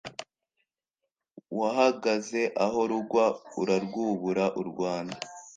Wahagaze aho rugwa Urarwubura u Rwanda.